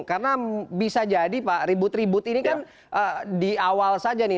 karena bisa jadi pak ribut ribut ini kan di awal saja nih